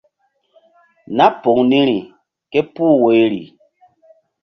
Nah poŋ niri ké puh woyri.